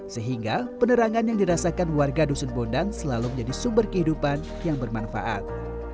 sehingga penerangan yang dirasakan warga dusun bondan selalu menjadi sumber kehidupan yang bermanfaat